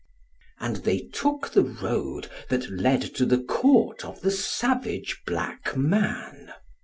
And they took the road that led to the Court of the savage black man.